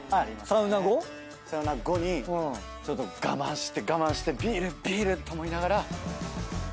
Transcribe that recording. サウナ後に我慢して我慢してビールビール！と思いながら。